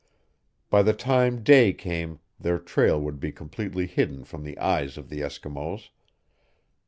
By the time day came their trail would be completely hidden from the eyes of the Eskimos.